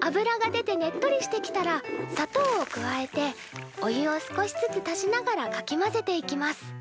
油が出てねっとりしてきたら砂糖を加えてお湯を少しずつ足しながらかき混ぜていきます。